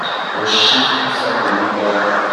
Vos chiffres sortent de nulle part.